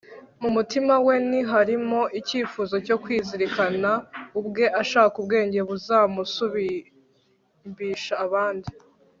mu mutima we ntiharimo icyifuzo cyo kwizirikana ubwe ashaka ubwenge buzamusumbisha abandi